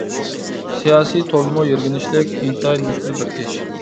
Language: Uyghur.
سىياسىي تولىمۇ يىرگىنچلىك، ئىنتايىن مۈشكۈل بىر ئىش.